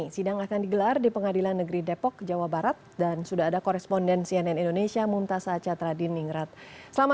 tiga pemimpin first travel akan menghadapi tuntutan jaksa